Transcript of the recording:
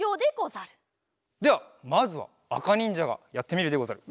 ではまずはあかにんじゃがやってみるでござる。